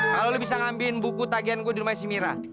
kalo lo bisa ngambilin buku tagian gue di rumahnya si mira